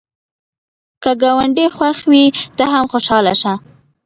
که ګاونډی خوښ وي، ته هم خوشحاله شه